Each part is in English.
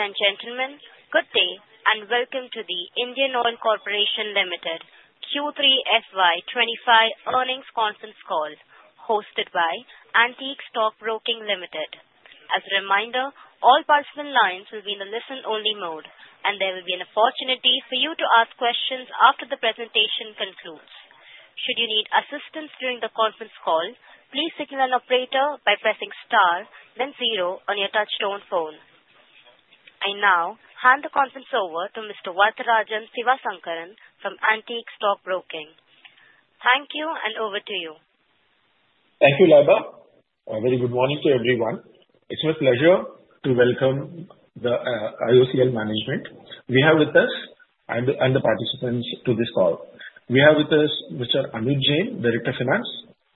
Ladies and gentlemen, good day and welcome to the Indian Oil Corporation Limited Q3FY25 earnings conference call, hosted by Antique Stock Broking Limited. As a reminder, all participant lines will be in a listen-only mode, and there will be an opportunity for you to ask questions after the presentation concludes. Should you need assistance during the conference call, please signal an operator by pressing star, then zero on your touch-tone phone. I now hand the conference over to Mr. Varatharajan Sivasankaran from Antique Stock Broking. Thank you, and over to you. Thank you, Laba. A very good morning to everyone. It's my pleasure to welcome the IOCL management. We have with us, and the participants to this call, we have with us Mr. Anuj Jain, Director of Finance,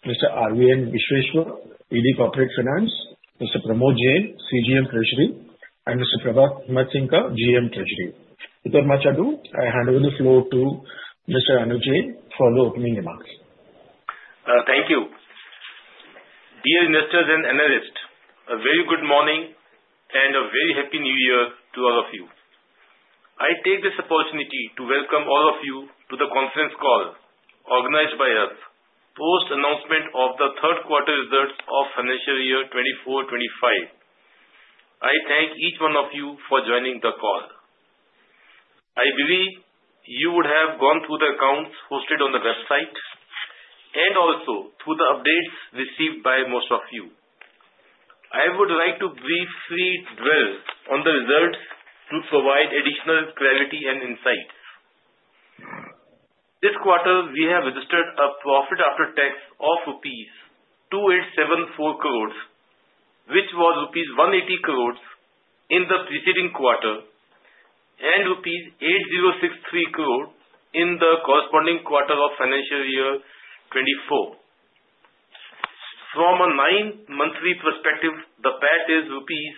Mr. RVN Vishweshwar, ED Corporate Finance, Mr. Pramod Jain, CGM Treasury, and Mr. Prabhat Himatsingka, GM Treasury. Without much ado, I hand over the floor to Mr. Anuj Jain for the opening remarks. Thank you. Dear investors and analysts, a very good morning and a very Happy New Year to all of you. I take this opportunity to welcome all of you to the conference call organized by us post-announcement of the third quarter results of financial year 2024-25. I thank each one of you for joining the call. I believe you would have gone through the accounts hosted on the website and also through the updates received by most of you. I would like to briefly dwell on the results to provide additional clarity and insight. This quarter, we have registered a profit after tax of rupees 2,874 crores, which was rupees 180 crores in the preceding quarter and rupees 8,063 crores in the corresponding quarter of financial year 2024. From a nine-monthly perspective, the PAT is rupees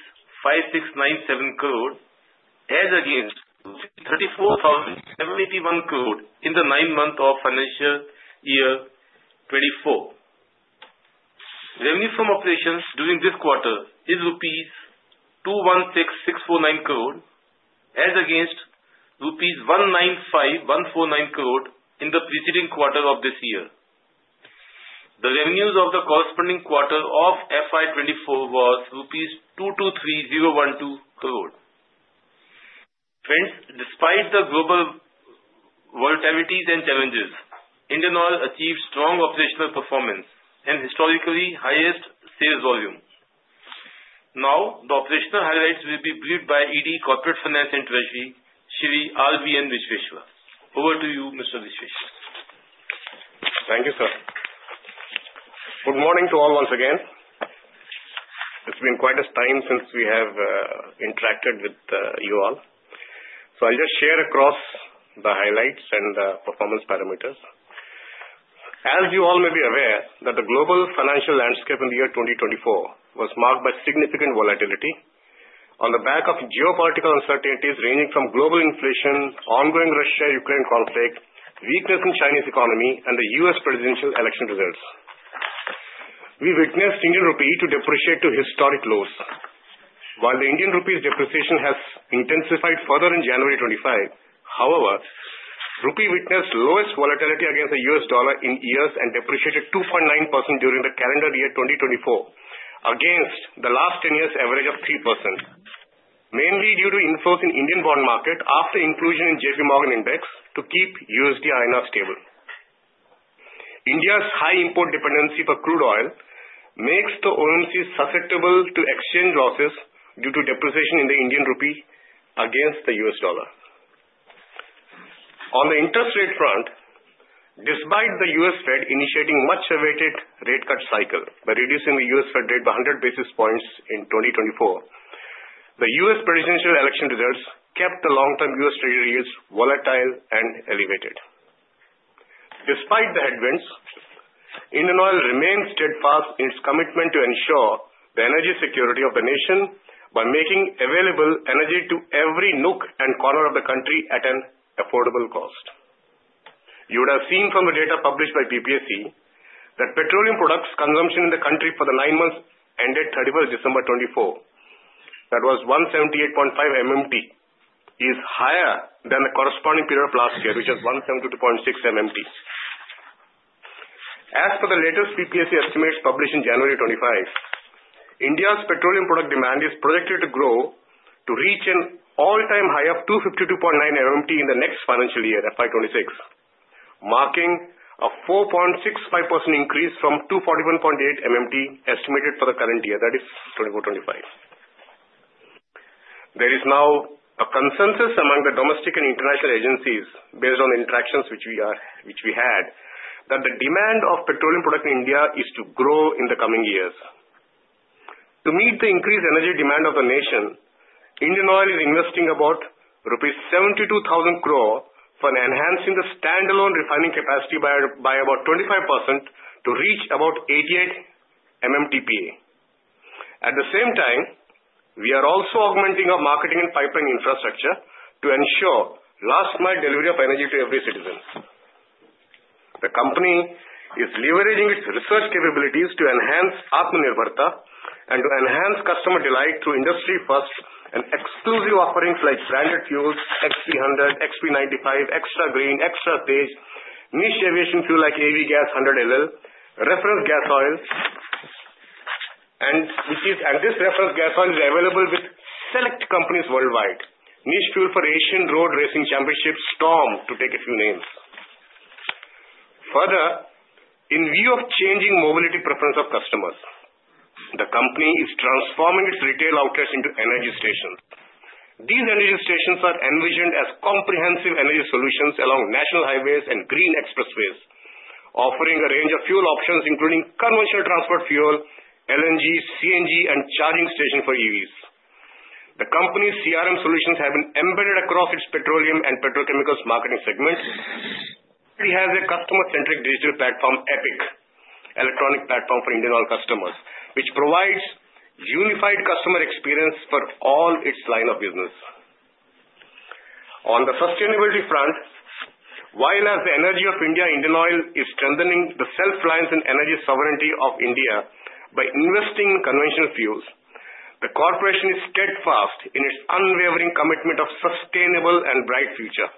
5,697 crores as against 34,071 crores in the nine-month of financial year 2024. Revenue from operations during this quarter is rupees 216,649 crores as against rupees 195,149 crores in the preceding quarter of this year. The revenues of the corresponding quarter of FY24 was rupees 223,012 crores. Friends, despite the global volatilities and challenges, Indian Oil achieved strong operational performance and historically highest sales volume. Now, the operational highlights will be briefed by ED Corporate Finance and Treasury, Sri RVN Vishweshwar. Over to you, Mr. Vishweshwar. Thank you, sir. Good morning to all once again. It's been quite a time since we have interacted with you all. So I'll just share across the highlights and performance parameters. As you all may be aware, the global financial landscape in the year 2024 was marked by significant volatility on the back of geopolitical uncertainties ranging from global inflation, ongoing Russia-Ukraine conflict, weakness in Chinese economy, and the U.S. presidential election results. We witnessed Indian rupee depreciate to historic lows, while the Indian rupee's depreciation has intensified further in January 2025. However, rupee witnessed lowest volatility against the U.S. dollar in years and depreciated 2.9% during the calendar year 2024 against the last 10 years' average of 3%, mainly due to inflows in Indian bond market after inclusion in J.P. Morgan index to keep USD-INR stable. India's high import dependency for crude oil makes the OMC susceptible to exchange losses due to depreciation in the Indian rupee against the U.S. dollar. On the interest rate front, despite the U.S. Fed initiating a much-awaited rate cut cycle by reducing the U.S. Fed rate by 100 basis points in 2024, the U.S. presidential election results kept the long-term U.S. Treasury yields volatile and elevated. Despite the headwinds, Indian Oil remains steadfast in its commitment to ensure the energy security of the nation by making available energy to every nook and corner of the country at an affordable cost. You would have seen from the data published by PPAC that petroleum products' consumption in the country for the nine months ended 31st December 2024, that was 178.5 MMT, is higher than the corresponding period of last year, which was 172.6 MMT. As per the latest PPAC estimates published in January 2025, India's petroleum products demand is projected to grow to reach an all-time high of 252.9 MMT in the next financial year, FY26, marking a 4.65% increase from 241.8 MMT estimated for the current year, that is, 2024-25. There is now a consensus among the domestic and international agencies based on the interactions which we had that the demand of petroleum products in India is to grow in the coming years. To meet the increased energy demand of the nation, Indian Oil is investing about 72,000 crore rupees for enhancing the standalone refining capacity by about 25% to reach about 88 MMTPA. At the same time, we are also augmenting our marketing and pipeline infrastructure to ensure last-mile delivery of energy to every citizen. The company is leveraging its research capabilities to enhance Atmanirbharta and to enhance customer delight through industry-first and exclusive offerings like branded fuels, XP100, XP95, XtraGreen, XtraTej, niche aviation fuel like AVGAS 100 LL, Reference Gas Oil, and this Reference Gas Oil is available with select companies worldwide, niche fuel for Asian road racing championships, STORM, to take a few names. Further, in view of changing mobility preference of customers, the company is transforming its retail outlets into energy stations. These energy stations are envisioned as comprehensive energy solutions along national highways and green expressways, offering a range of fuel options including conventional transport fuel, LNG, CNG, and charging stations for EVs. The company's CRM solutions have been embedded across its petroleum and petrochemicals marketing segments. It has a customer-centric digital platform, ePIC, electronic platform for Indian Oil customers, which provides a unified customer experience for all its lines of business. On the sustainability front, while the energy of Indian Oil is strengthening the self-reliance and energy sovereignty of India by investing in conventional fuels, the corporation is steadfast in its unwavering commitment to a sustainable and bright future.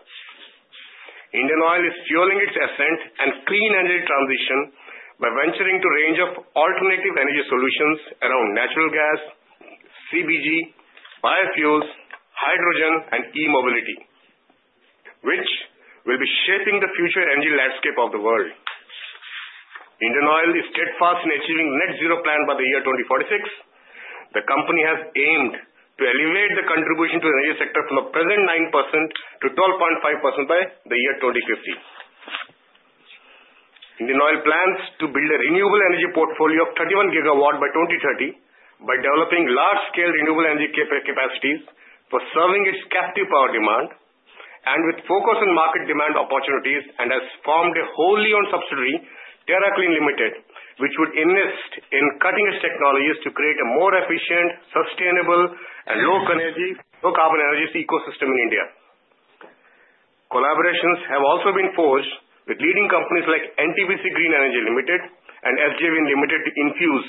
Indian Oil is fueling its ascent and clean energy transition by venturing into a range of alternative energy solutions around natural gas, CBG, biofuels, hydrogen, and e-mobility, which will be shaping the future energy landscape of the world. Indian Oil is steadfast in achieving the net-zero plan by the year 2046. The company has aimed to elevate the contribution to the energy sector from the present 9% to 12.5% by the year 2050. Indian Oil plans to build a renewable energy portfolio of 31 gigawatts by 2030 by developing large-scale renewable energy capacities for serving its captive power demand and with a focus on market demand opportunities and has formed a wholly-owned subsidiary, Terra Clean Limited, which would invest in cutting-edge technologies to create a more efficient, sustainable, and low-carbon energy ecosystem in India. Collaborations have also been forged with leading companies like NTPC Green Energy Limited and SJVN Limited to infuse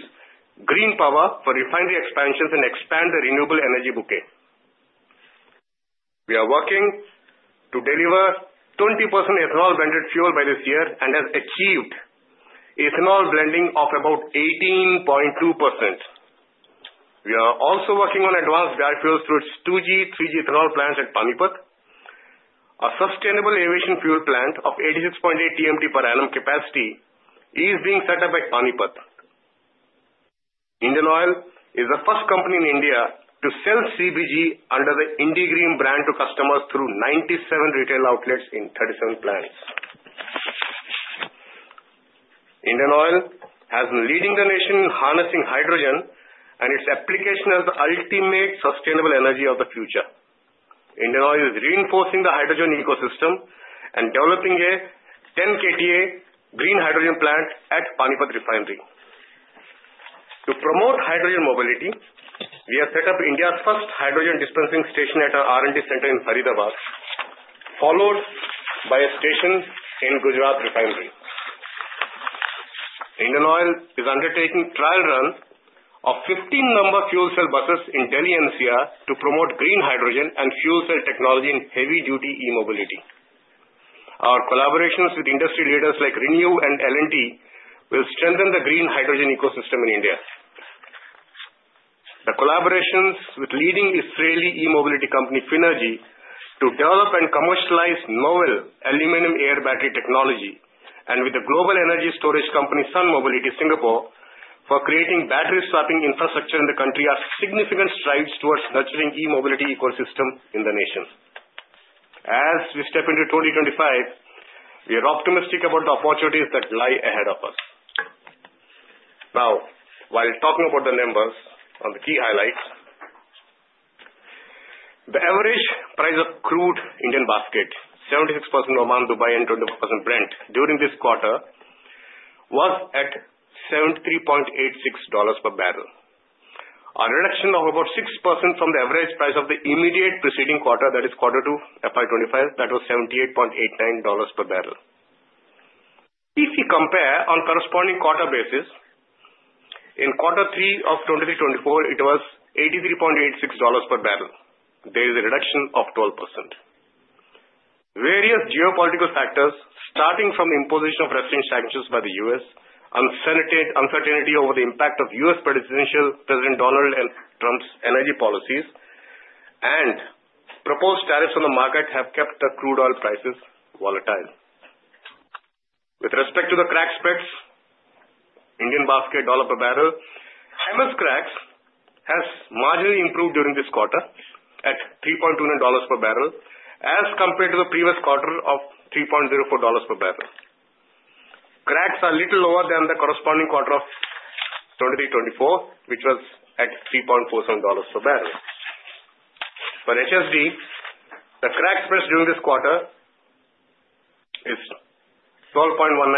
green power for refinery expansions and expand the renewable energy bouquet. We are working to deliver 20% ethanol-blended fuel by this year and have achieved ethanol blending of about 18.2%. We are also working on advanced biofuels through its 2G, 3G ethanol plants at Panipat. A sustainable aviation fuel plant of 86.8 TMT per annum capacity is being set up at Panipat. Indian Oil is the first company in India to sell CBG under the IndiGreen brand to customers through 97 retail outlets in 37 plants. Indian Oil has been leading the nation in harnessing hydrogen and its application as the ultimate sustainable energy of the future. Indian Oil is reinforcing the hydrogen ecosystem and developing a 10-KTA green hydrogen plant at Panipat Refinery. To promote hydrogen mobility, we have set up India's first hydrogen dispensing station at our R&D center in Faridabad, followed by a station in Gujarat Refinery. Indian Oil is undertaking a trial run of 15 number of fuel cell buses in Delhi NCR to promote green hydrogen and fuel cell technology in heavy-duty e-mobility. Our collaborations with industry leaders like ReNew and L&T will strengthen the green hydrogen ecosystem in India. The collaborations with leading Israeli e-mobility company Phinergy to develop and commercialize novel aluminum-air battery technology and with the global energy storage company Sun Mobility Singapore for creating battery swapping infrastructure in the country are significant strides towards nurturing the e-mobility ecosystem in the nation. As we step into 2025, we are optimistic about the opportunities that lie ahead of us. Now, while talking about the numbers on the key highlights, the average price of crude Indian basket, 76% Oman, Dubai, and 24% Brent during this quarter was at $73.86 per barrel, a reduction of about 6% from the average price of the immediate preceding quarter, that is quarter two, FY25, that was $78.89 per barrel. If we compare on corresponding quarter basis, in quarter three of 2023-24, it was $83.86 per barrel. There is a reduction of 12%. Various geopolitical factors, starting from the imposition of Russian sanctions by the U.S., uncertainty over the impact of U.S. President Donald Trump's energy policies, and proposed tariffs on the market have kept the crude oil prices volatile. With respect to the crack spreads, Indian basket dollar per barrel, MS crack has marginally improved during this quarter at $3.29 per barrel as compared to the previous quarter of $3.04 per barrel. Cracks are a little lower than the corresponding quarter of 2023-24, which was at $3.47 per barrel. For HSD, the crack spreads during this quarter are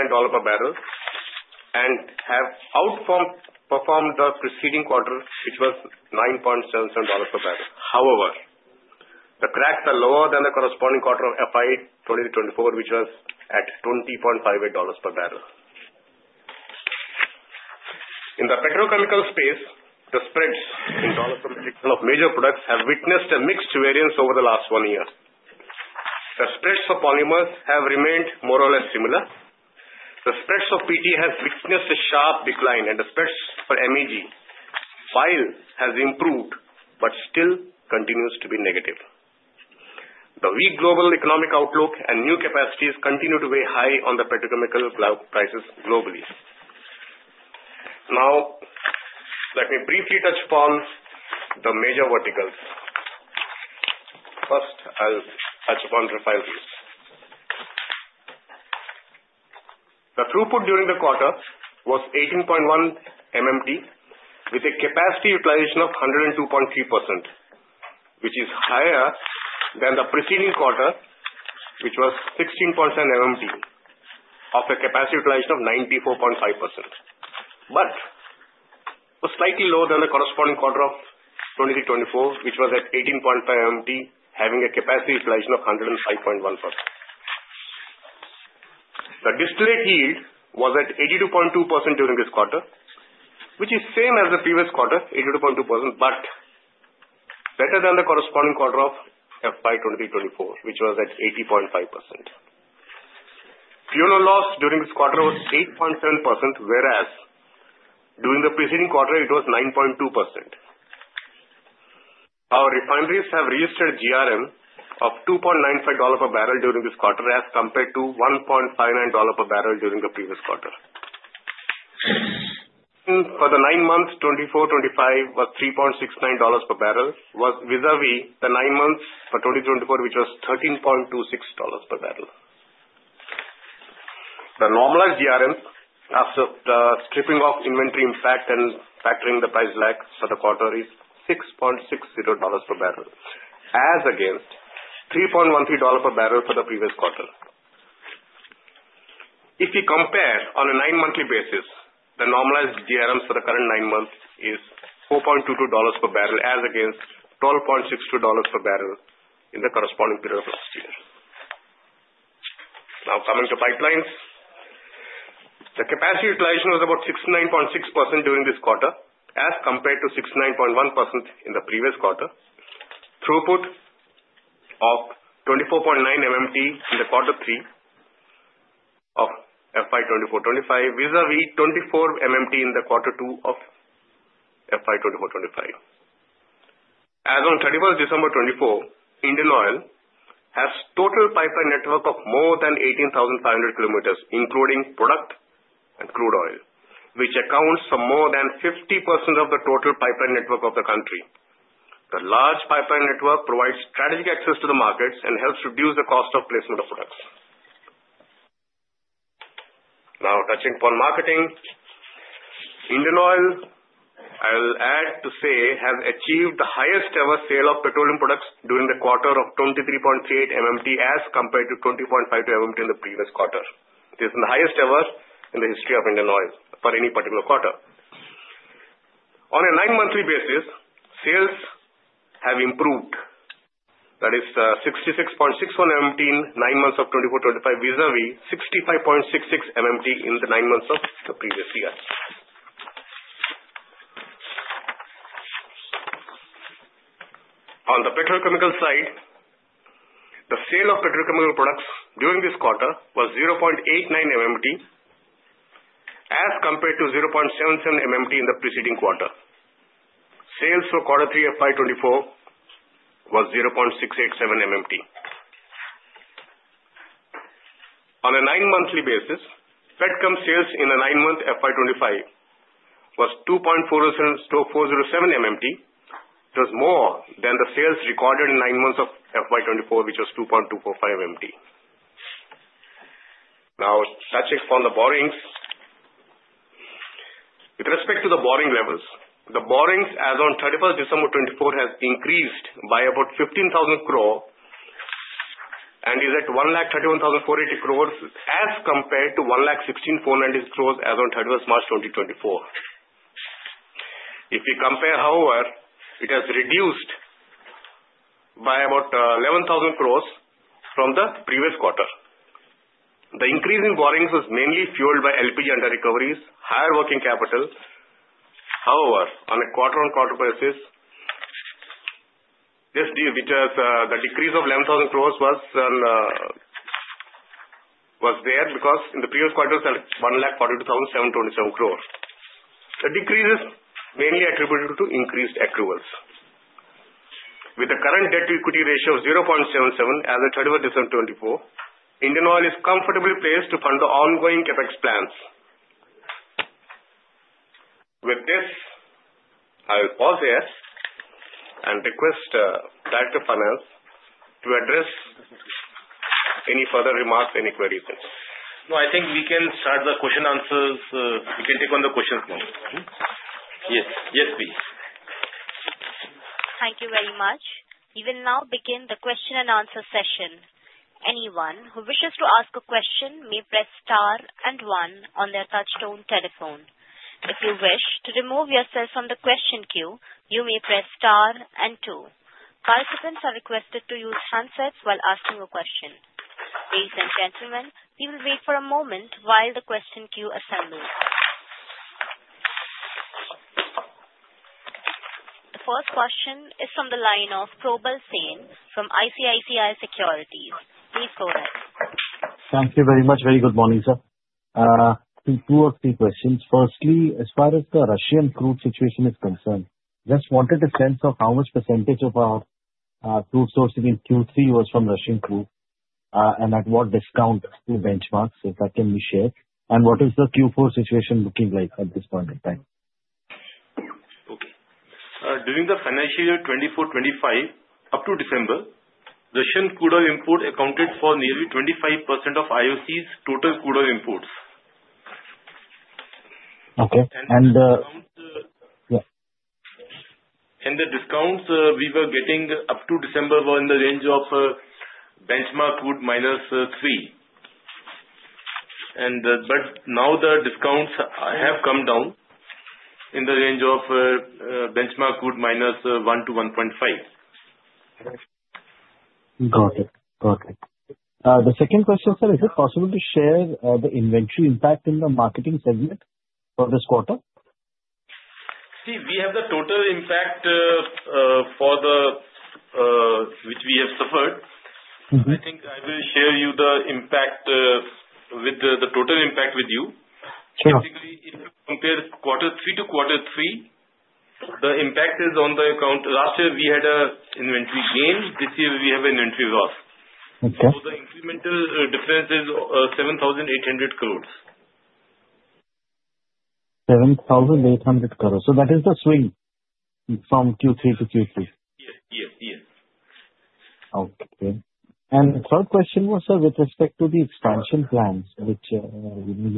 $12.19 per barrel and have outperformed the preceding quarter, which was $9.77 per barrel. However, the cracks are lower than the corresponding quarter of FY24, which was at $20.58 per barrel. In the petrochemical space, the spreads in dollars of major products have witnessed a mixed variance over the last one year. The spreads for polymers have remained more or less similar. The spreads for PT have witnessed a sharp decline, and the spreads for MEG, while it has improved, still continues to be negative. The weak global economic outlook and new capacities continue to weigh high on the petrochemical prices globally. Now, let me briefly touch upon the major verticals. First, I'll touch upon refineries. The throughput during the quarter was 18.1 MMT with a capacity utilization of 102.3%, which is higher than the preceding quarter, which was 16.7 MMT of a capacity utilization of 94.5%, but was slightly lower than the corresponding quarter of 2023-24, which was at 18.5 MMT, having a capacity utilization of 105.1%. The distillate yield was at 82.2% during this quarter, which is the same as the previous quarter, 82.2%, but better than the corresponding quarter of FY 2023-24, which was at 80.5%. Fuel loss during this quarter was 8.7%, whereas during the preceding quarter, it was 9.2%. Our refineries have registered GRM of $2.95 per barrel during this quarter as compared to $1.59 per barrel during the previous quarter. For the nine months, 2024-25 was $3.69 per barrel, vis-à-vis the nine months for 2023-24, which was $13.26 per barrel. The normalized GRM, after the stripping of inventory impact and factoring the price lag for the quarter, is $6.60 per barrel, as against $3.13 per barrel for the previous quarter. If we compare on a nine-monthly basis, the normalized GRM for the current nine months is $4.22 per barrel, as against $12.62 per barrel in the corresponding period of last year. Now, coming to pipelines, the capacity utilization was about 69.6% during this quarter as compared to 69.1% in the previous quarter. Throughput of 24.9 MMT in the quarter three of FY24-25, vis-à-vis 24 MMT in the quarter two of FY24-25. As of 31st December 2024, Indian Oil has a total pipeline network of more than 18,500 kilometers, including product and crude oil, which accounts for more than 50% of the total pipeline network of the country. The large pipeline network provides strategic access to the markets and helps reduce the cost of placement of products. Now, touching upon marketing, Indian Oil, I will add to say, has achieved the highest-ever sale of petroleum products during the quarter of 23.38 MMT as compared to 20.52 MMT in the previous quarter. This is the highest-ever in the history of Indian Oil for any particular quarter. On a nine-monthly basis, sales have improved. That is 66.61 MMT in nine months of 2024-25, vis-à-vis 65.66 MMT in the nine months of the previous year. On the petrochemical side, the sale of petrochemical products during this quarter was 0.89 MMT as compared to 0.77 MMT in the preceding quarter. Sales for quarter three FY24 was 0.687 MMT. On a nine-monthly basis, Petchem sales in the nine-month FY25 was 2.407 MMT. It was more than the sales recorded in nine months of FY24, which was 2.245 MMT. Now, touching upon the borrowings. With respect to the borrowing levels, the borrowings, as of 31st December 2024, have increased by about 15,000 crore and is at 131,480 crores as compared to 116,490 crores as of 31st March 2024. If we compare, however, it has reduced by about 11,000 crores from the previous quarter. The increase in borrowings was mainly fueled by LPG under-recoveries, higher working capital. However, on a quarter-on-quarter basis, this decrease of 11,000 crores was there because in the previous quarter it was at 142,727 crores. The decrease is mainly attributed to increased accruals. With the current debt-to-equity ratio of 0.77 as of 31st December 2024, Indian Oil is comfortably placed to fund the ongoing CapEx plans. With this, I will pause here and request Director of Finance to address any further remarks, any queries. No, I think we can start the question and answers. We can take on the questions now. Yes, please. Thank you very much. We will now begin the question and answer session. Anyone who wishes to ask a question may press star and one on their touch-tone telephone. If you wish to remove yourself from the question queue, you may press star and two. Participants are requested to use handsets while asking a question. Ladies and gentlemen, we will wait for a moment while the question queue assembles. The first question is from the line of Probal Sen from ICICI Securities. Please go ahead. Thank you very much. Very good morning, sir. Two or three questions. Firstly, as far as the Russian crude situation is concerned, just wanted a sense of how much percentage of our crude sourcing in Q3 was from Russian crude and at what discount to benchmarks, if that can be shared. And what is the Q4 situation looking like at this point in time? Okay. During the financial year 2024-25, up to December, Russian crude oil import accounted for nearly 25% of IOC's total crude oil imports. Okay. And the discounts we were getting up to December were in the range of benchmark crude minus three. But now the discounts have come down in the range of benchmark crude minus one to 1.5. Got it. Got it. The second question, sir, is it possible to share the inventory impact in the marketing segment for this quarter? See, we have the total impact for the which we have suffered. I think I will share you the impact with the total impact with you. Basically, if you compare quarter three to quarter three, the impact is on the account. Last year, we had an inventory gain. This year, we have an inventory loss. So the incremental difference is 7,800 crores. 7,800 crores. So that is the swing from Q3 to Q3? \Yes. Yes. Yes. Okay. And the third question was, sir, with respect to the expansion plans, which you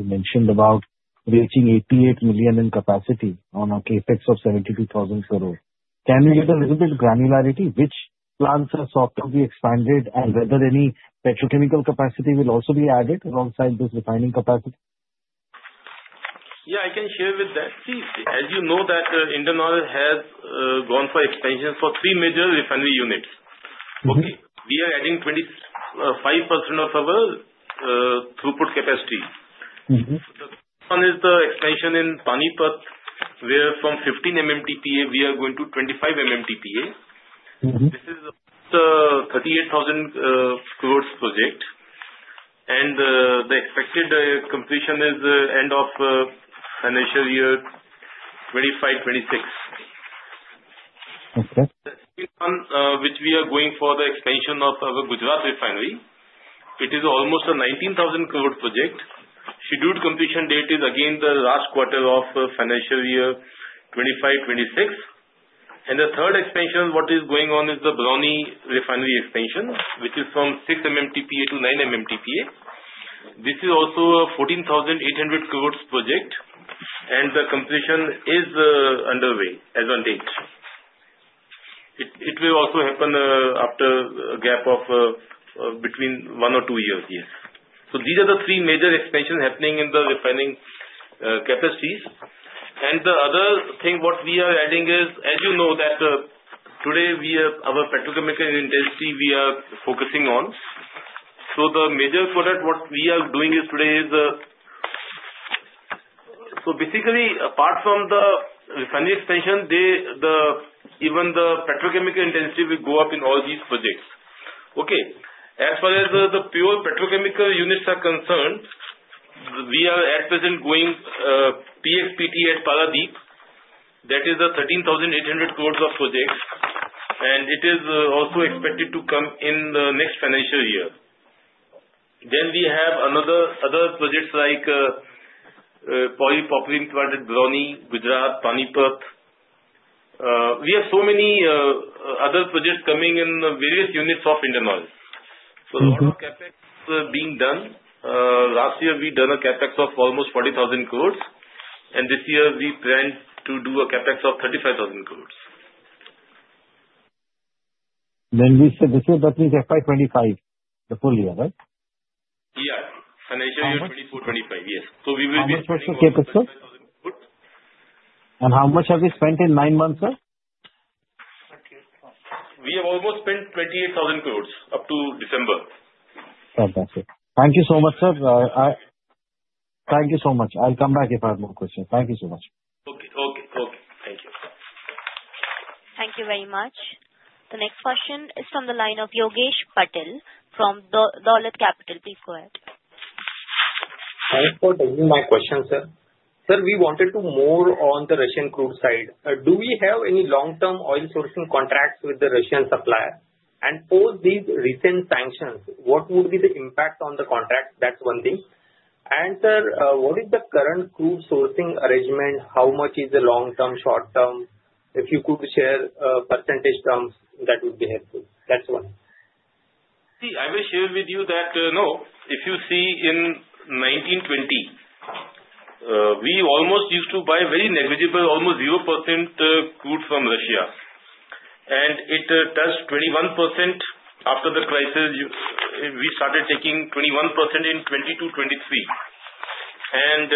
mentioned about reaching 88 million in capacity on a CapEx of 72,000 crores. Can you give a little bit of granularity which plans are softly expanded and whether any petrochemical capacity will also be added alongside this refining capacity? Yeah, I can share with that. See, as you know, Indian Oil has gone for expansion for three major refinery units. Okay. We are adding 25% of our throughput capacity. The first one is the expansion in Panipat, where from 15 MMTPA, we are going to 25 MMTPA. This is an 38,000 crores project. And the expected completion is end of financial year 2025-26. Okay. The second one, which we are going for the expansion of our Gujarat refinery, it is almost an 19,000 crores project. Scheduled completion date is again the last quarter of financial year 2025-26. And the third expansion, what is going on, is the Barauni refinery expansion, which is from 6 MMTPA-9 MMTPA. This is also a 14,800 crores project, and the completion is underway as of date. It will also happen after a gap of between one or two years, yes. So these are the three major expansions happening in the refining capacities. And the other thing what we are adding is, as you know, that today, our petrochemical intensity, we are focusing on. So the major product what we are doing today is, so basically, apart from the refinery expansion, even the petrochemical intensity will go up in all these projects. Okay. As far as the pure petrochemical units are concerned, we are at present going PX-PTA at Paradip. That is the 13,800 crores project, and it is also expected to come in the next financial year. Then we have other projects like Polypropylene Plant at Barauni, Gujarat, Panipat. We have so many other projects coming in various units of Indian Oil. So a lot of CapEx being done. Last year, we done a CapEx of almost 40,000 crores, and this year, we plan to do a CapEx of 35,000 crores. Then this year, that means FY25, the full year, right? Yeah. Financial year 2024-25, yes. So we will be up to INR 25,000 crores. And how much have we spent in nine months, sir? We have almost spent 28,000 crores up to December. Fantastic. Thank you so much, sir. Thank you so much. I'll come back if I have more questions. Thank you so much. Okay. Okay. Okay. Thank you. Thank you very much. The next question is from the line of Yogesh Patel from Dolat Capital. Please go ahead. Thanks for taking my question, sir. Sir, we wanted to more on the Russian crude side. Do we have any long-term oil sourcing contracts with the Russian supplier? And post these recent sanctions, what would be the impact on the contract? That's one thing. And sir, what is the current crude sourcing arrangement? How much is the long-term, short-term? If you could share percentage terms, that would be helpful. That's one. See, I will share with you that, no, if you see in 2019-20, we almost used to buy very negligible, almost 0% crude from Russia. And it touched 21% after the crisis. We started taking 21% in 2022-23. And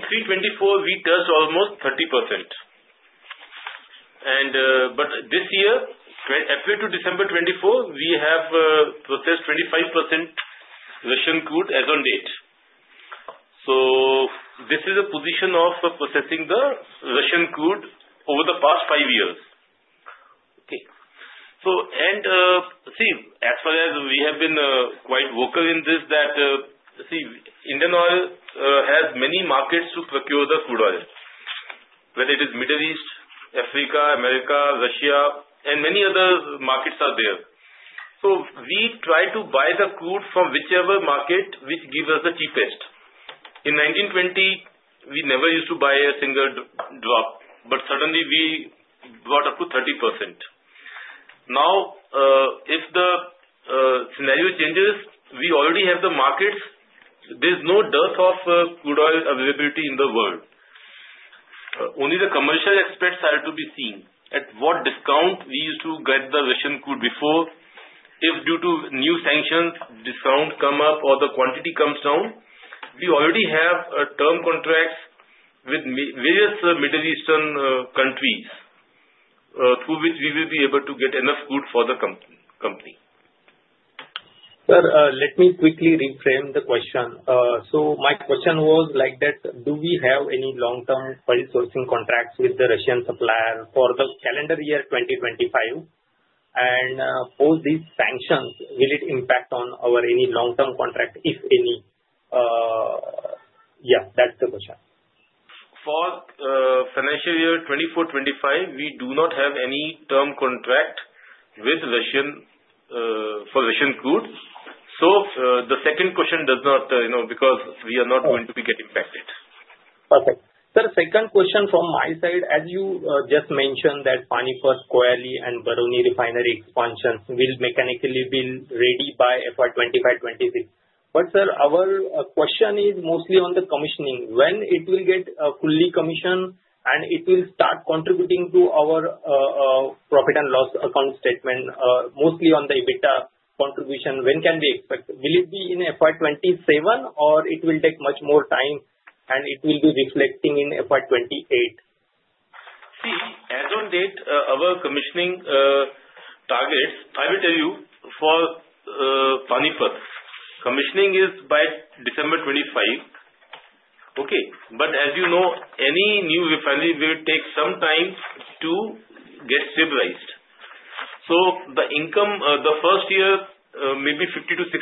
2023-24, we touched almost 30%. But this year, April to December 2024, we have processed 25% Russian crude as of date. So this is the position of processing the Russian crude over the past five years. Okay. See, as far as we have been quite vocal in this, that see, Indian Oil has many markets to procure the crude oil, whether it is Middle East, Africa, America, Russia, and many other markets are there. So we try to buy the crude from whichever market which gives us the cheapest. In 2020, we never used to buy a single drop, but suddenly, we brought up to 30%. Now, if the scenario changes, we already have the markets. There's no dearth of crude oil availability in the world. Only the commercial aspects are to be seen. At what discount we used to get the Russian crude before, if due to new sanctions, discount come up or the quantity comes down, we already have term contracts with various Middle Eastern countries through which we will be able to get enough crude for the company. Sir, let me quickly reframe the question. So my question was like that, do we have any long-term oil sourcing contracts with the Russian supplier for the calendar year 2025? And post these sanctions, will it impact on our any long-term contract, if any? Yeah, that's the question. For financial year 2024-25, we do not have any term contract with Russian for Russian crude. So the second question does not because we are not going to be getting impacted. Perfect. Sir, second question from my side, as you just mentioned that Panipat, Koyali, and Barauni refinery expansion will mechanically be ready by FY25-26. But sir, our question is mostly on the commissioning. When it will get fully commissioned and it will start contributing to our profit and loss account statement, mostly on the EBITDA contribution, when can we expect? Will it be in FY27 or it will take much more time and it will be reflecting in FY28? See, as of date, our commissioning targets, I will tell you, for Panipat, commissioning is by December 2025. Okay. But as you know, any new refinery will take some time to get stabilized. So the income, the first year, maybe 50%-60%,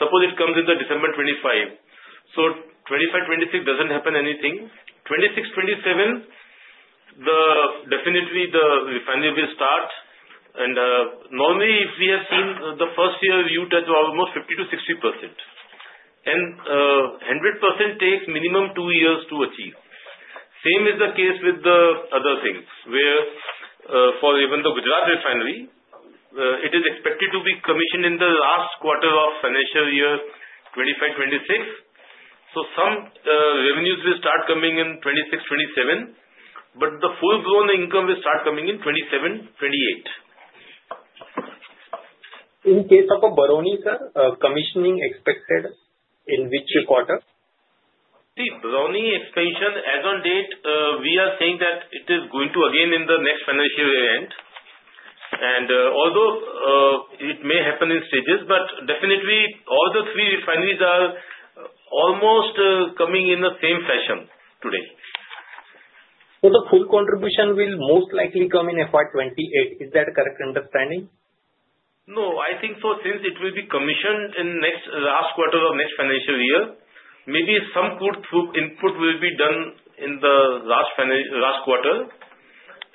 suppose it comes in the December 2025. So 2025-26 doesn't happen anything. 2026-27, definitely, the refinery will start. And normally, if we have seen the first year, you touch almost 50%-60%. And 100% takes minimum two years to achieve. Same is the case with the other things, where for even the Gujarat refinery, it is expected to be commissioned in the last quarter of financial year 2025-26. So some revenues will start coming in 2026-27, but the full-blown income will start coming in 2027-28 In case of Barauni, sir, commissioning expected in which quarter? See, Barauni expansion, as of date, we are saying that it is going to again in the next financial year. And although it may happen in stages, but definitely, all the three refineries are almost coming in the same fashion today. So the full contribution will most likely come in FY28. Is that a correct understanding? No, I think so. Since it will be commissioned in last quarter of next financial year, maybe some crude input will be done in the last quarter.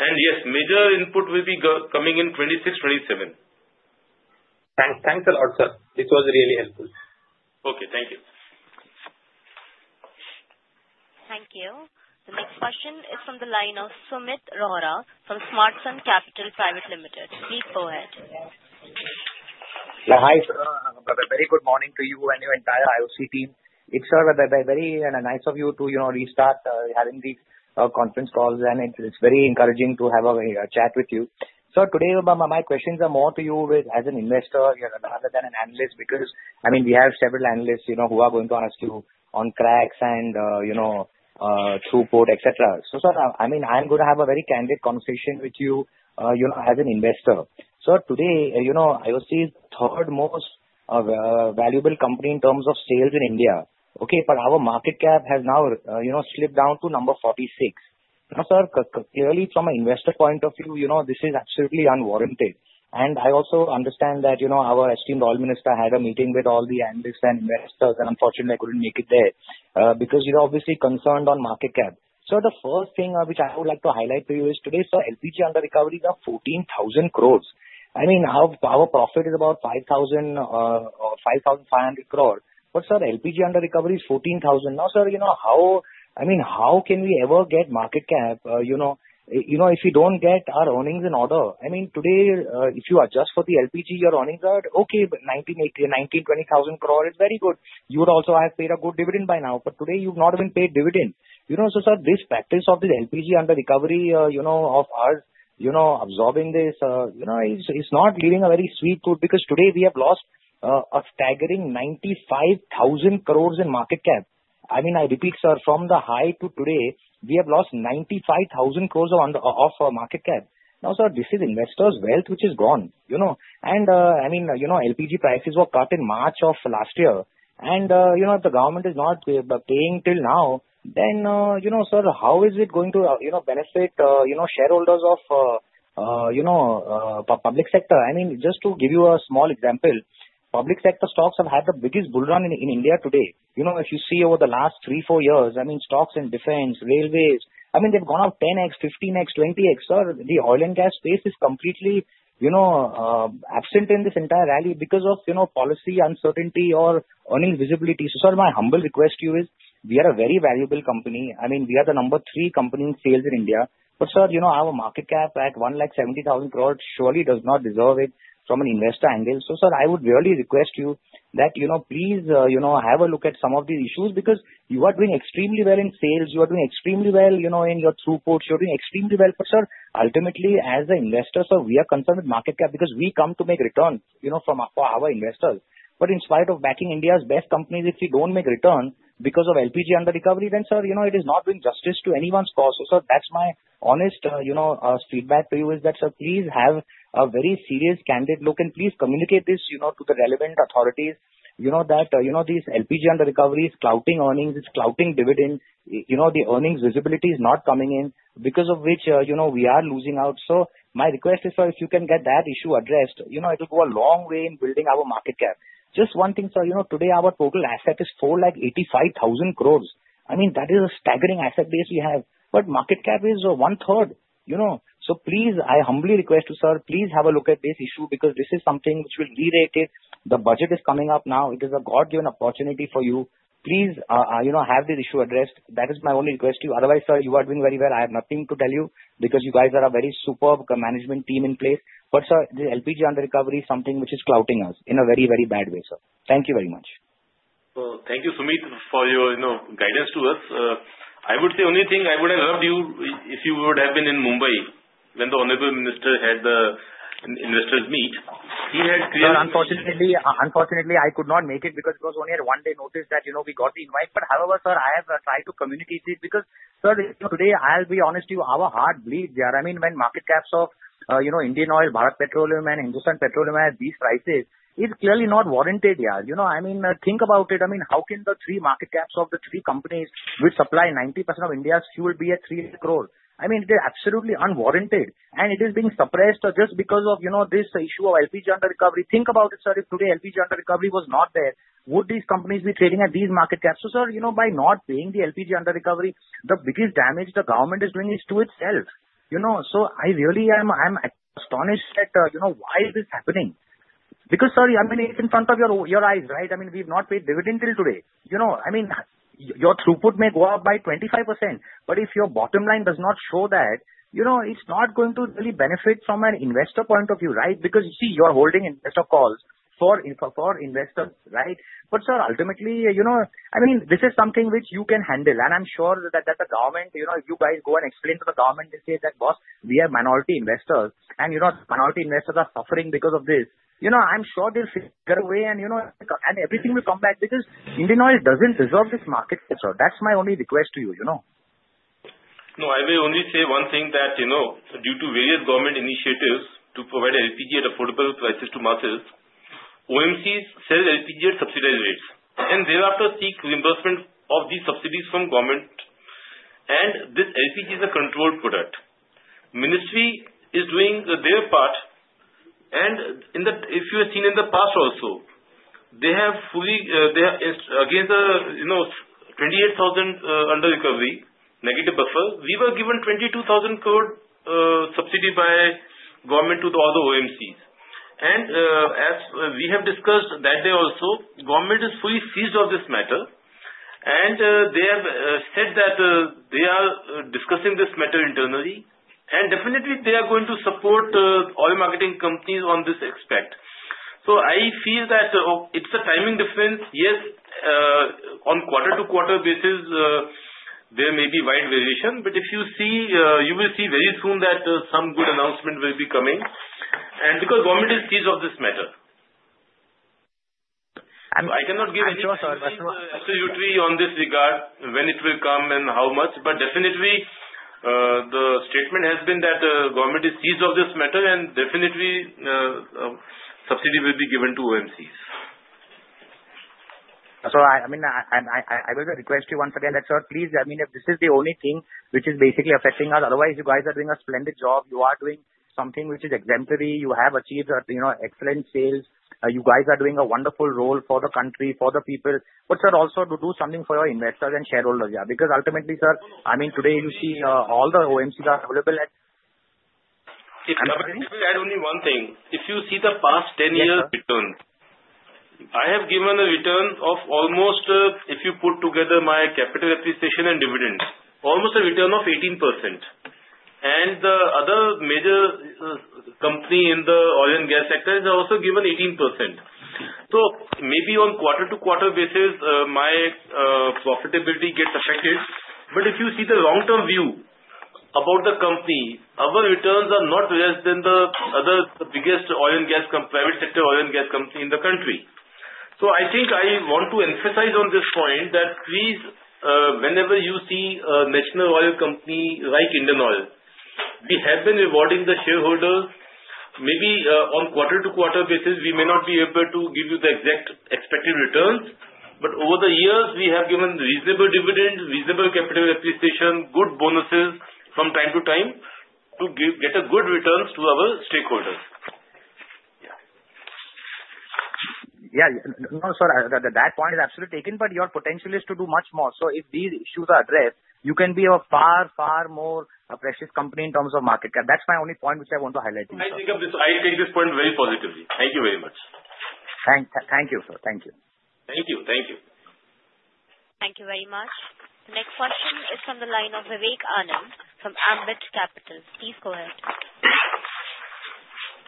And yes, major input will be coming in 26-27. Thanks a lot, sir. This was really helpful. Okay. Thank you. Thank you. The next question is from the line of Sumit Rohra from Smartsun Capital Private Limited. Please go ahead. Hi, sir. Very good morning to you and your entire IOC team. It's very nice of you to restart having these conference calls, and it's very encouraging to have a chat with you. Sir, today, my questions are more to you as an investor rather than an analyst because, I mean, we have several analysts who are going to ask you on cracks and throughput, etc. So, sir, I mean, I'm going to have a very candid conversation with you as an investor. Sir, today, IOC is the third most valuable company in terms of sales in India. Okay. But our market cap has now slipped down to number 46. Now, sir, clearly, from an investor point of view, this is absolutely unwarranted. And I also understand that our esteemed oil minister had a meeting with all the analysts and investors, and unfortunately, I couldn't make it there because he's obviously concerned on market cap. Sir, the first thing which I would like to highlight to you is today, sir, LPG under-recovery is 14,000 crores. I mean, our profit is about 5,500 crores. But sir, LPG under-recovery is 14,000. Now, sir, I mean, how can we ever get market cap if we don't get our earnings in order? I mean, today, if you adjust for the LPG, your earnings are okay. 19,000-20,000 crores is very good. You would also have paid a good dividend by now. But today, you've not even paid dividend. So, sir, this practice of the LPG under-recovery of ours absorbing this, it's not leaving a very sweet tooth because today, we have lost a staggering 95,000 crores in market cap. I mean, I repeat, sir, from the high to today, we have lost 95,000 crores of market cap. Now, sir, this is investors' wealth which is gone. I mean, LPG prices were cut in March of last year. If the government is not paying till now, then, sir, how is it going to benefit shareholders of public sector? I mean, just to give you a small example, public sector stocks have had the biggest bull run in India today. If you see over the last three, four years, I mean, stocks in defense, railways, I mean, they've gone up 10x, 15x, 20x. Sir, the oil and gas space is completely absent in this entire rally because of policy uncertainty or earnings visibility. So, sir, my humble request to you is, we are a very valuable company. I mean, we are the number three company in sales in India. But sir, our market cap at 170,000 crores surely does not deserve it from an investor angle. So, sir, I would really request you that please have a look at some of these issues because you are doing extremely well in sales. You are doing extremely well in your throughput. You are doing extremely well. But sir, ultimately, as an investor, sir, we are concerned with market cap because we come to make return for our investors. But in spite of backing India's best companies, if we don't make return because of LPG under-recovery, then sir, it is not doing justice to anyone's cause. So, sir, that's my honest feedback to you is that, sir, please have a very serious, candid look and please communicate this to the relevant authorities that these LPG under-recovery is clouding earnings, it's clouding dividends. The earnings visibility is not coming in because of which we are losing out. My request is, sir, if you can get that issue addressed, it will go a long way in building our market cap. Just one thing, sir, today, our total asset is 485,000 crores. I mean, that is a staggering asset base we have. But market cap is one-third. Please, I humbly request you, sir, please have a look at this issue because this is something which will be rated. The budget is coming up now. It is a God-given opportunity for you. Please have this issue addressed. That is my only request to you. Otherwise, sir, you are doing very well. I have nothing to tell you because you guys are a very superb management team in place. But sir, the LPG under-recovery is something which is clouting us in a very, very bad way, sir. Thank you very much. Thank you, Sumit, for your guidance to us. I would say only thing I would have loved you if you would have been in Mumbai when the Honorable Minister had the investors meet. He had created. Sir, unfortunately, I could not make it because it was only a one-day notice that we got the invite. But however, sir, I have tried to communicate it because, sir, today, I'll be honest with you, our heart bleeds here. I mean, when market caps of Indian Oil, Bharat Petroleum, and Hindustan Petroleum have these prices, it's clearly not warranted, yeah. I mean, think about it. I mean, how can the three market caps of the three companies which supply 90% of India's fuel be at three crore? I mean, it is absolutely unwarranted and it is being suppressed just because of this issue of LPG under recovery. Think about it, sir. If today, LPG under-recovery was not there, would these companies be trading at these market caps? So, sir, by not paying the LPG under-recovery, the biggest damage the government is doing is to itself. So I really am astonished at why is this happening? Because, sir, I mean, it's in front of your eyes, right? I mean, we've not paid dividend till today. I mean, your throughput may go up by 25%. But if your bottom line does not show that, it's not going to really benefit from an investor point of view, right? Because you see, you are holding investor calls for investors, right? But sir, ultimately, I mean, this is something which you can handle. And I'm sure that the government, if you guys go and explain to the government and say that, "Boss, we are minority investors, and minority investors are suffering because of this," I'm sure they'll figure a way and everything will come back because Indian Oil doesn't deserve this market, sir. That's my only request to you. No, I may only say one thing that due to various government initiatives to provide LPG at affordable prices to masses, OMCs sell LPG at subsidized rates. And thereafter, seek reimbursement of these subsidies from government. And this LPG is a controlled product. Ministry is doing their part. And if you have seen in the past also, they have fully against 28,000 under-recovery, negative buffer, we were given 22,000 crore subsidy by government to all the OMCs. And as we have discussed that day also, government is fully seized of this matter. They have said that they are discussing this matter internally. They are going to support oil marketing companies on this aspect. I feel that it's a timing difference. Yes, on quarter-to-quarter basis, there may be wide variation. If you see, you will see very soon that some good announcement will be coming. Because the government is seized of this matter, I cannot give anything absolutely on this regard when it will come and how much. The statement has been that the government is seized of this matter, and definitely, subsidy will be given to OMCs. Sir, I mean, I will request you once again that, sir, please, I mean, if this is the only thing which is basically affecting us, otherwise, you guys are doing a splendid job. You are doing something which is exemplary. You have achieved excellent sales. You guys are doing a wonderful role for the country, for the people. But sir, also, do something for your investors and shareholders, yeah? Because ultimately, sir, I mean, today, you see all the OMCs are available at. If I can add only one thing, if you see the past 10 years. Return. I have given a return of almost, if you put together my capital appreciation and dividend, almost a return of 18%. And the other major company in the oil and gas sector has also given 18%. So maybe on quarter-to-quarter basis, my profitability gets affected. But if you see the long-term view about the company, our returns are not less than the other biggest oil and gas private sector oil and gas company in the country. So I think I want to emphasize on this point that please, whenever you see a national oil company like Indian Oil, we have been rewarding the shareholders. Maybe on quarter-to-quarter basis, we may not be able to give you the exact expected returns. But over the years, we have given reasonable dividend, reasonable capital appreciation, good bonuses from time to time to get good returns to our stakeholders. Yeah. No, sir, that point is absolutely taken. But your potential is to do much more. So if these issues are addressed, you can be a far, far more precious company in terms of market cap. That's my only point which I want to highlight to you, sir. I take this point very positively. Thank you very much. Thank you, sir. Thank you. Thank you. Thank you very much. The next question is from the line of Vivekanand from Ambit Capital. Please go ahead.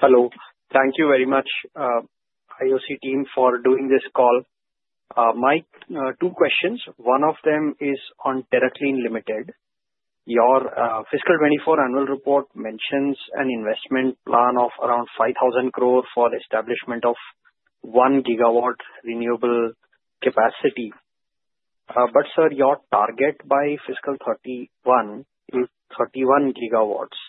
Hello. Thank you very much, IOC team, for doing this call. My two questions. One of them is on Terra Clean Limited. Your fiscal 24 annual report mentions an investment plan of around 5,000 crore for the establishment of 1 gigawatt renewable capacity. But sir, your target by fiscal 31 is 31 gigawatts.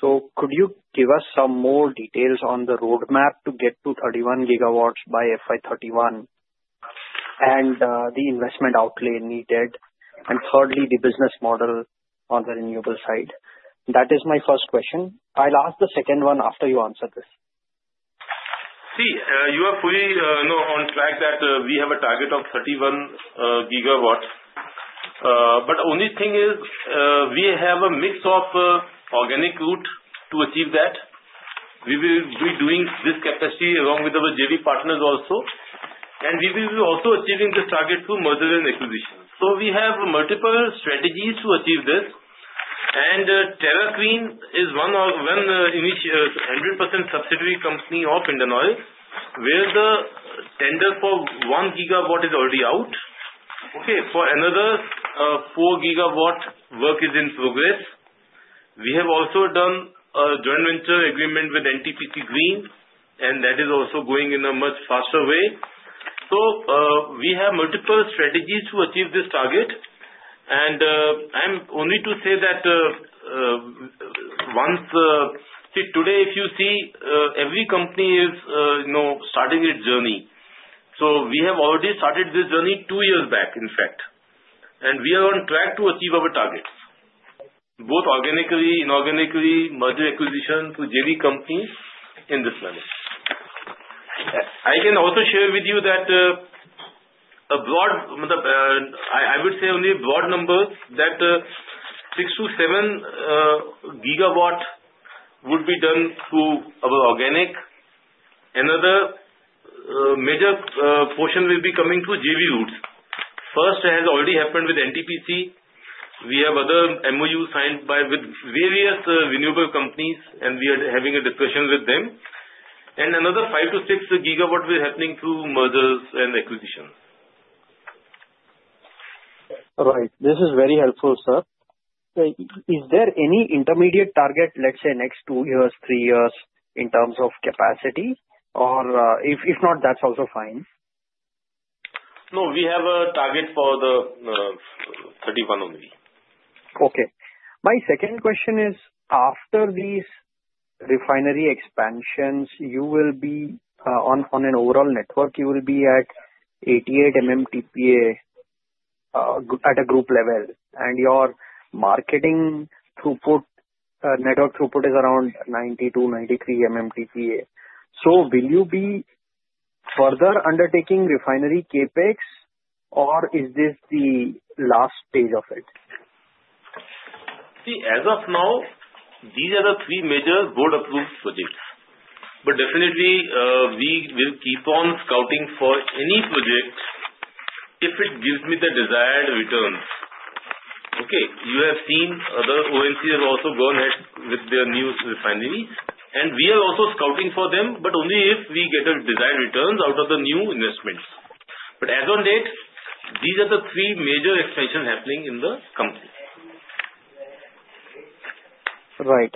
So could you give us some more details on the roadmap to get to 31 gigawatts by FY31 and the investment outlay needed? And thirdly, the business model on the renewable side. That is my first question. I'll ask the second one after you answer this. See, you are fully on track that we have a target of 31 gigawatts. But the only thing is we have a mix of organic route to achieve that. We will be doing this capacity along with our JV partners also. And we will be also achieving this target through merger and acquisition. So we have multiple strategies to achieve this. And TerraClean is one 100% subsidiary company of Indian Oil where the tender for one gigawatt is already out. Okay. For another 4 gigawatt, work is in progress. We have also done a joint venture agreement with NTPC Green, and that is also going in a much faster way. So we have multiple strategies to achieve this target. And I'm only to say that once today, if you see, every company is starting its journey. So we have already started this journey two years back, in fact. And we are on track to achieve our target, both organically, inorganically, merger acquisition through JV companies. In this manner, I can also share with you that a broad, I would say only a broad number, that 6-7 gigawatt would be done through our organic. Another major portion will be coming through JV routes. First has already happened with NTPC. We have other MOUs signed with various renewable companies, and we are having a discussion with them. And another 5-6 gigawatt will be happening through mergers and acquisitions. Right. This is very helpful, sir. Is there any intermediate target, let's say, next two years, three years in terms of capacity? Or if not, that's also fine. No, we have a target for the 2031 only. Okay. My second question is, after these refinery expansions, you will be on an overall network, you will be at 88 MMTPA at a group level. And your marketing network throughput is around 90-93 MMTPA. So will you be further undertaking refinery CapEx, or is this the last stage of it? See, as of now, these are the three major board-approved projects. But definitely, we will keep on scouting for any project if it gives me the desired returns. Okay. You have seen other OMCs have also gone ahead with their new refineries. And we are also scouting for them, but only if we get a desired return out of the new investments. But as of late, these are the three major expansions happening in the company. Right.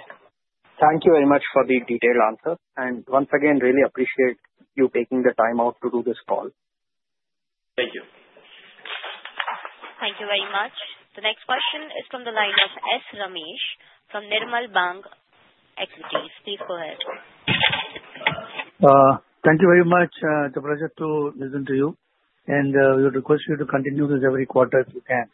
Thank you very much for the detailed answer. And once again, really appreciate you taking the time out to do this call. Thank you. Thank you very much. The next question is from the line of S. Ramesh from Nirmal Bang Equities. Please go ahead. Thank you very much. It's a pleasure to listen to you. And we would request you to continue this every quarter if you can.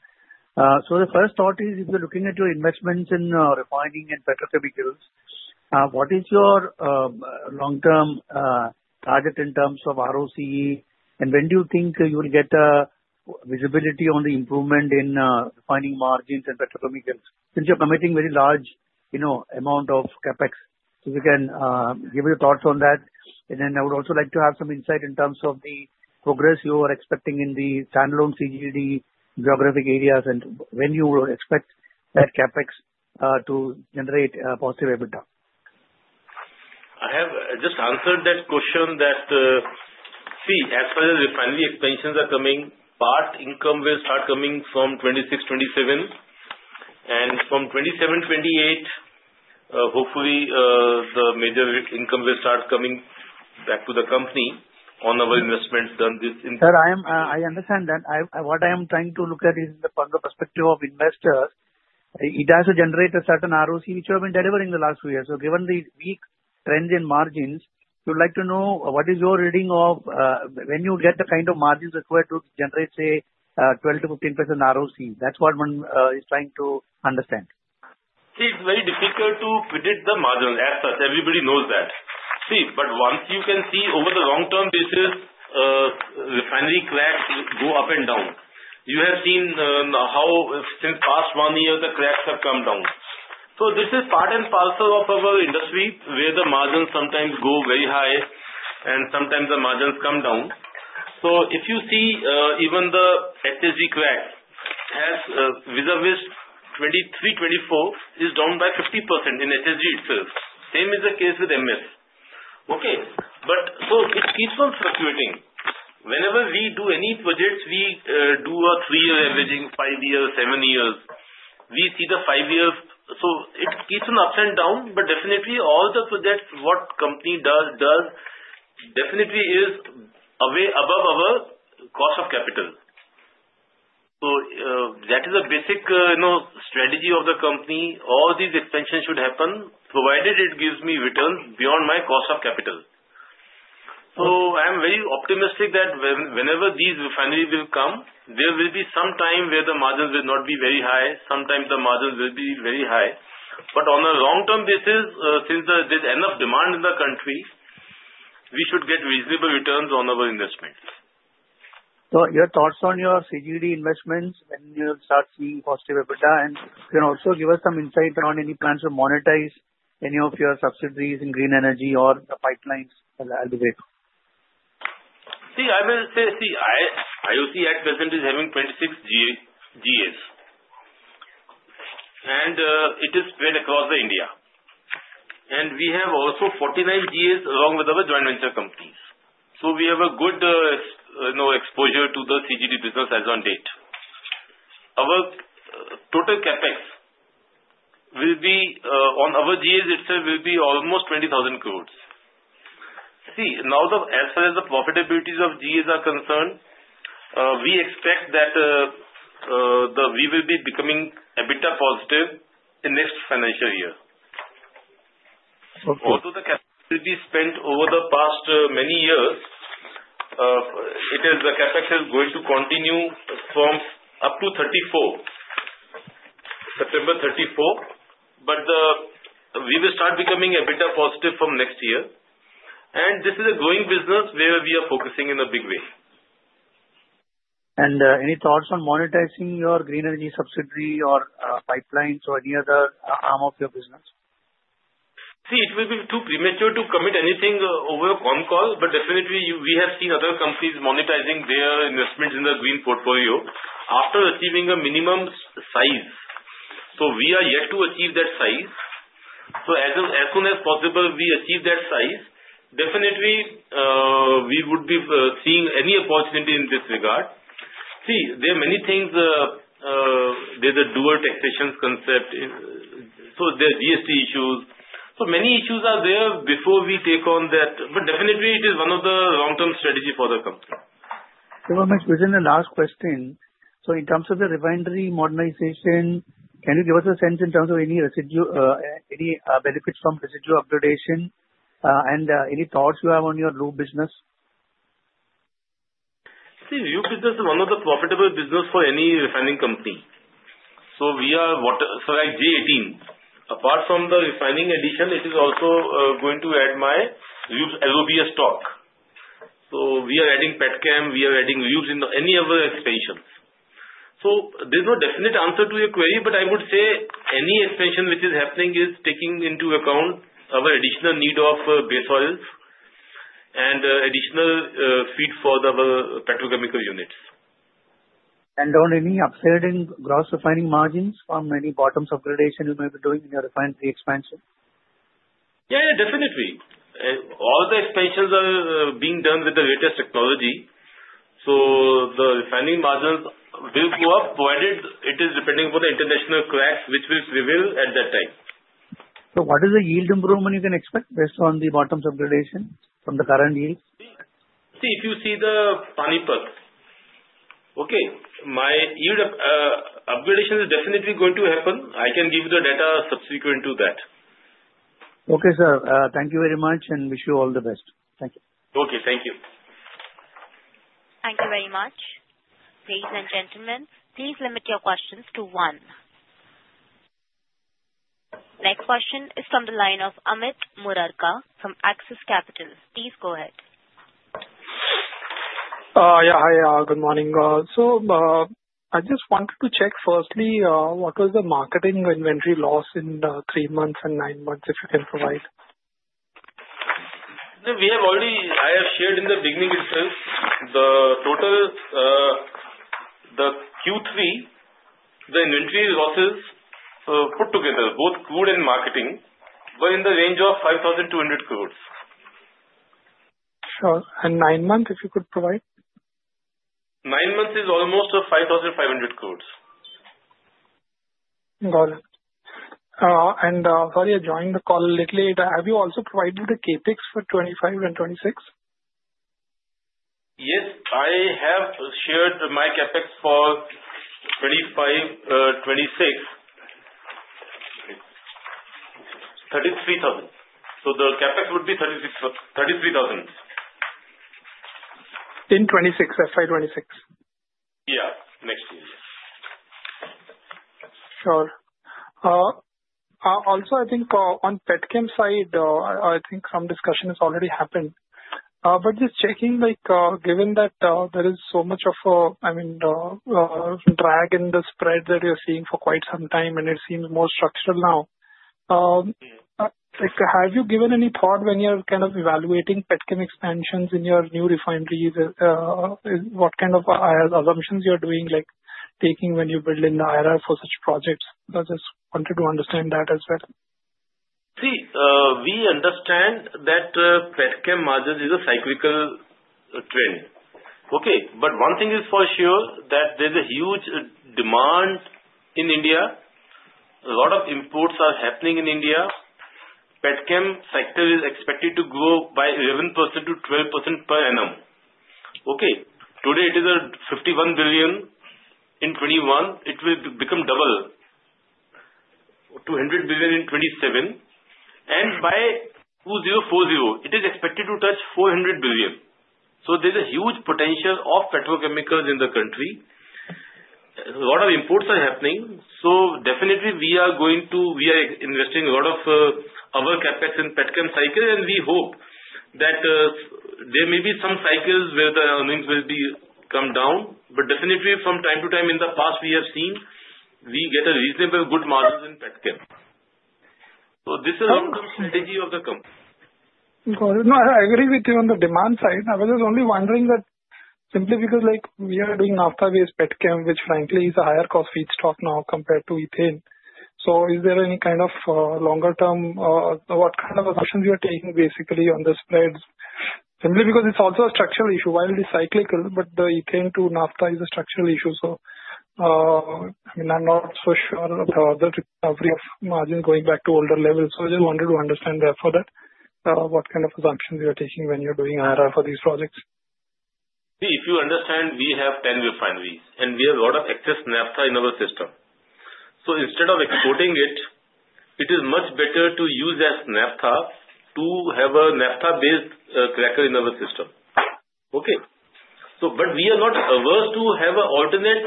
So the first thought is, if you're looking at your investments in refining and petrochemicals, what is your long-term target in terms of ROCE? And when do you think you will get visibility on the improvement in refining margins and petrochemicals since you're committing a very large amount of CapEx? If you can give your thoughts on that. And then I would also like to have some insight in terms of the progress you are expecting in the standalone CGD geographic areas and when you will expect that CapEx to generate a positive EBITDA. I have just answered that question that, see, as far as refinery expansions are coming, part income will start coming from 26, 27. And from 27, 28, hopefully, the major income will start coming back to the company on our investments done this. Sir, I understand that. What I am trying to look at is from the perspective of investors. It has to generate a certain ROC, which you have been delivering the last few years. So given the weak trends in margins, we would like to know what is your reading of when you get the kind of margins required to generate, say, 12%-15% ROC. That's what one is trying to understand. See, it's very difficult to predict the margins as such. Everybody knows that. See, but once you can see over the long-term basis, refinery cracks go up and down. You have seen how since past one year, the cracks have come down. So this is part and parcel of our industry where the margins sometimes go very high, and sometimes the margins come down. So if you see, even the HSD crack has vis-à-vis 2023, 2024 is down by 50% in HSD itself. Same is the case with MS. Okay. But so it keeps on circulating. Whenever we do any projects, we do a three-year averaging, five years, seven years. We see the five years. So it keeps on ups and downs. But definitely, all the projects, what company does, definitely is above our cost of capital. So that is a basic strategy of the company. All these expansions should happen provided it gives me returns beyond my cost of capital. So I'm very optimistic that whenever these refineries will come, there will be some time where the margins will not be very high. Sometimes the margins will be very high. But on a long-term basis, since there's enough demand in the country, we should get reasonable returns on our investments. So your thoughts on your CGD investments when you start seeing positive EBITDA? And you can also give us some insight on any plans to monetize any of your subsidies in green energy or the pipelines at the Vivek? See, I will say, see, IOC at present is having 26 GAs. And it is spread across India. And we have also 49 GAs along with other joint venture companies. So we have a good exposure to the CGD business as of date. Our total CapEx on our GAs itself will be almost 20,000 crores. See, now as far as the profitabilities of GAs are concerned, we expect that we will be becoming EBITDA positive in the next financial year. Although the CapEx will be spent over the past many years, it is the CapEx is going to continue up to 2024, September 2024. But we will start becoming EBITDA positive from next year. And this is a growing business where we are focusing in a big way. And any thoughts on monetizing your green energy subsidy or pipelines or any other arm of your business? See, it will be too premature to commit anything over a phone call. But definitely, we have seen other companies monetizing their investments in the green portfolio after achieving a minimum size. So we are yet to achieve that size. So as soon as possible, we achieve that size, definitely we would be seeing any opportunity in this regard. See, there are many things. There's a dual taxation concept. So there are GST issues. So many issues are there before we take on that. But definitely, it is one of the long-t erm strategies for the company. Sir, my question, the last question. So in terms of the refinery modernization, can you give us a sense in terms of any benefits from residual upgradation and any thoughts you have on your new business? See, new business is one of the profitable businesses for any refining company. So we are what? So at J18, apart from the refining addition, it is also going to add my LOBS stock. So we are adding Petchem. We are adding used in any other expansions. So there's no definite answer to your query, but I would say any expansion which is happening is taking into account our additional need of base oils and additional feed for our petrochemical units. And on any upside, any gross refining margins from any bottoms upgradation you may be doing in your refinery expansion? Yeah, yeah, definitely. All the expansions are being done with the latest technology. So the refining margins will go up provided it is depending on the international cracks, which will prevail at that time. So what is the yield improvement you can expect based on the bottoms upgradation from the current yield? See, if you see the Panipat, okay, my yield upgradation is definitely going to happen. I can give you the data subsequent to that. Okay, sir. Thank you very much and wish you all the best. Thank you. Okay. Thank you. Thank you very much. Ladies and gentlemen, please limit your questions to one. Next question is from the line of Amit Murarka from Axis Capital. Please go ahead. Yeah, hi. Good morning. So I just wanted to check firstly what was the marketing inventory loss in three months and nine months, if you can provide. We have already, I have shared in the beginning itself, the total Q3, the inventory losses put together, both crude and marketing, were in the range of 5,200 crores. Sure. And nine months, if you could provide? Nine months is almost 5,500 crores. Got it. And sorry, I joined the call a little late. Have you also provided the CapEx for 2025 and 2026? Yes. I have shared my CapEx for 2025, 2026, 33,000. So the CapEx would be 33,000. In 2026, FY 2026? Yeah. Next year. Sure. Also, I think on Petchem side, I think some discussion has already happened. But just checking, given that there is so much of, I mean, drag in the spread that you're seeing for quite some time, and it seems more structural now, have you given any thought when you're kind of evaluating Petchem expansions in your new refineries? What kind of assumptions you're taking when you build in IRR for such projects? I just wanted to understand that as well. See, we understand that Petchem margins is a cyclical trend. Okay. But one thing is for sure that there's a huge demand in India. A lot of imports are happening in India. Petchem sector is expected to grow by 11%-12% per annum. Okay. Today, it is 51 billion. In 2021, it will become double, 200 billion in 2027. And by 2040, it is expected to touch 400 billion. So there's a huge potential of petrochemicals in the country. A lot of imports are happening. So definitely, we are going to, we are investing a lot of our CapEx in Petchem cycle, and we hope that there may be some cycles where the earnings will come down. But definitely, from time to time in the past, we have seen we get a reasonable good margin in Petchem. So this is a long-term strategy of the company. Got it. No, I agree with you on the demand side. I was just only wondering that simply because we are doing Naphtha-based Petchem, which frankly is a higher cost feedstock now compared to Ethane. So is there any kind of longer-term or what kind of assumptions you are taking basically on the spreads? Simply because it's also a structural issue. While it is cyclical, but the Ethane to Naphtha is a structural issue. So I mean, I'm not so sure about the recovery of margins going back to older levels. So I just wanted to understand therefore that what kind of assumptions you are taking when you're doing IRR for these projects. See, if you understand, we have 10 refineries, and we have a lot of excess Naphtha in our system. So instead of exporting it, it is much better to use as Naphtha to have a Naphtha-based cracker in our system. Okay. But we are not averse to have an alternate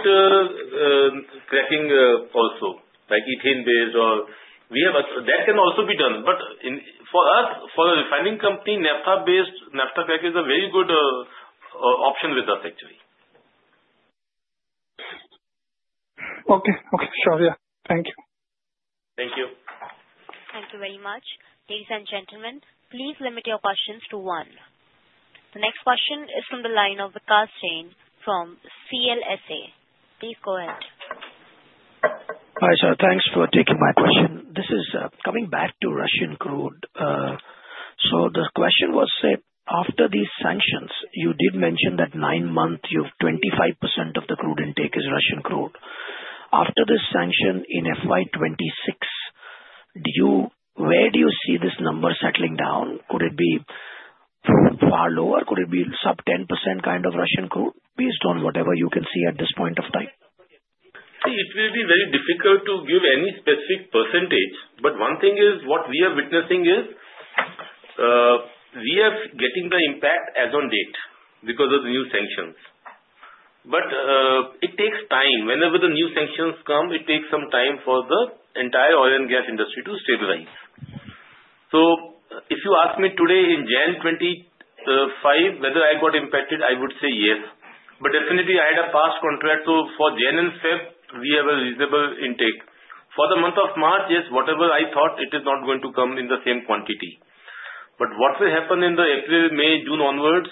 cracking also, like Ethane-based or that can also be done. But for us, for a refining company, Naphtha-based Naphtha cracker is a very good option with us, actually. Okay. Okay. Sure. Yeah. Thank you. Thank you. Thank you very much. Ladies and gentlemen, please limit your questions to one. The next question is from the line of Vikash Jain from CLSA. Please go ahead. Hi, sir. Thanks for taking my question. This is coming back to Russian crude. So the question was, after these sanctions, you did mention that nine months you have 25% of the crude intake is Russian crude. After this sanction in FY 2026, where do you see this number settling down? Could it be far lower? Could it be sub 10% kind of Russian crude based on whatever you can see at this point of time? See, it will be very difficult to give any specific percentage. But one thing is what we are witnessing is we are getting the impact as of date because of the new sanctions. But it takes time. Whenever the new sanctions come, it takes some time for the entire oil and gas industry to stabilize. So if you ask me today in January 2025, whether I got impacted, I would say yes. But definitely, I had a past contract. So for January and February, we have a reasonable intake. For the month of March, yes, whatever I thought, it is not going to come in the same quantity. But what will happen in the April, May, June onwards,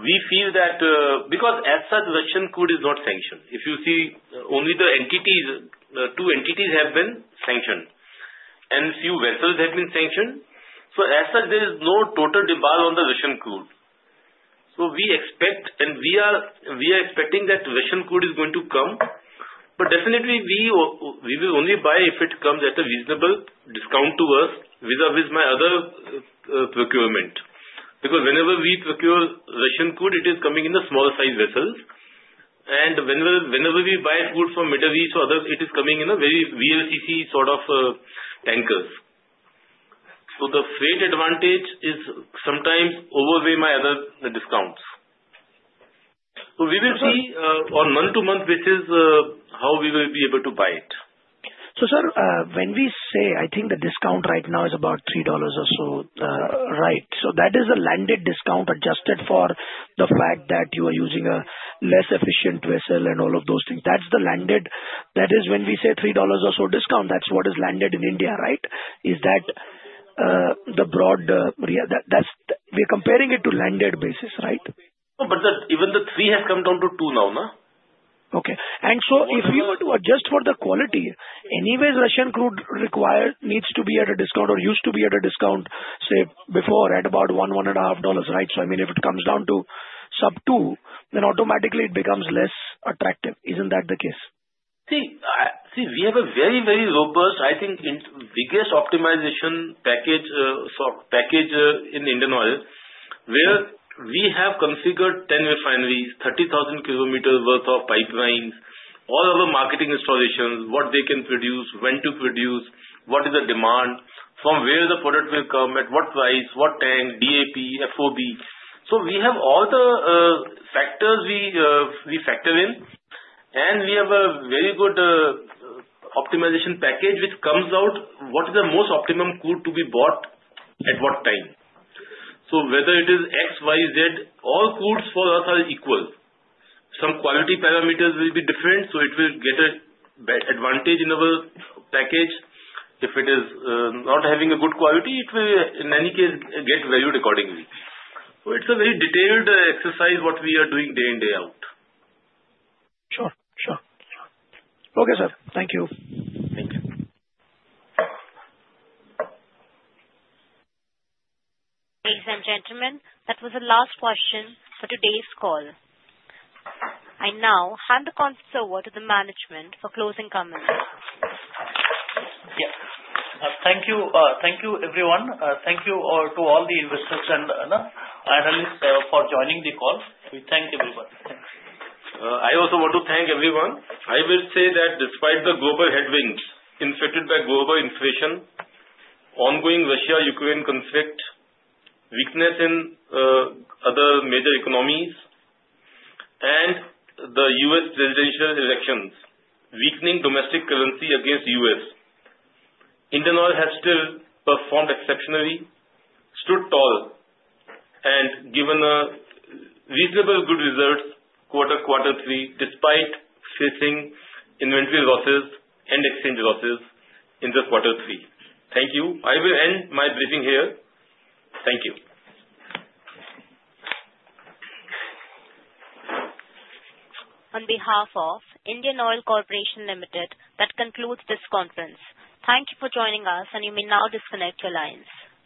we feel that because as such, Russian crude is not sanctioned. If you see, only the two entities have been sanctioned. And a few vessels have been sanctioned. So as such, there is no total debar on the Russian crude. So we expect and we are expecting that Russian crude is going to come. But definitely, we will only buy if it comes at a reasonable discount to us vis-à-vis my other procurement. Because whenever we procure Russian crude, it is coming in the smaller size vessels. And whenever we buy crude from Middle East or others, it is coming in a very VLCC sort of tankers. So the freight advantage is sometimes outweighing my other discounts. So we will see on a month-to-month basis how we will be able to buy it. So sir, when we say, I think the discount right now is about $3 or so, right? So that is a landed discount adjusted for the fact that you are using a less efficient vessel and all of those things. That's the landed. That is when we say $3 or so discount, that's what is landed in India, right? Is that the broad? We're comparing it to landed basis, right? But even the three has come down to two now, no? Okay. And so if you were to adjust for the quality, anyways, Russian crude required needs to be at a discount or used to be at a discount, say, before at about one, one and a half dollars, right? So I mean, if it comes down to sub two, then automatically it becomes less attractive. Isn't that the case? See, we have a very, very robust, I think, biggest optimization package in Indian Oil where we have configured 10 refineries, 30,000 kilometers worth of pipelines, all of the marketing installations, what they can produce, when to produce, what is the demand, from where the product will come, at what price, what tank, DAP, FOB. So we have all the factors we factor in. And we have a very good optimization package which comes out what is the most optimum crude to be bought at what time. So whether it is X, Y, Z, all crudes for us are equal. Some quality parameters will be different, so it will get an advantage in our package. If it is not having a good quality, it will, in any case, get valued accordingly. So it's a very detailed exercise what we are doing day in, day out. Sure. Sure. Okay, sir. Thank you. Ladies and gentlemen, that was the last question for today's call. I now hand the conference over to the management for closing comments. Yeah. Thank you, everyone. Thank you to all the investors and analysts for joining the call. We thank everyone. Thanks. I also want to thank everyone. I will say that despite the global headwinds inflicted by global inflation, ongoing Russia-Ukraine conflict, weakness in other major economies, and the U.S. presidential elections, weakening domestic currency against the U.S., Indian Oil has still performed exceptionally, stood tall, and given reasonable good results quarter, quarter three, despite facing inventory losses and exchange losses in the quarter three. Thank you. I will end my briefing here. Thank you. On behalf of Indian Oil Corporation Limited, that concludes this conference. Thank you for joining us, and you may now disconnect your lines.